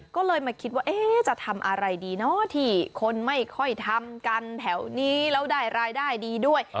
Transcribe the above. ก็เลยมาคิดว่าจะทำอะไรดีเนาะที่คนไม่ค่อยทำกันแถวนี้แล้วได้รายได้ดีด้วย